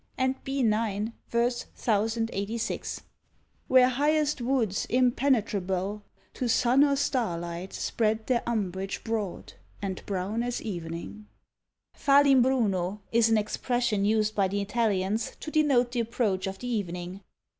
And B. ix., v. 1086: Where highest Woods impenetrable To sun or star light, spread their umbrage broad, And brown as evening. Fa l'imbruno is an expression used by the Italians to denote the approach of the evening.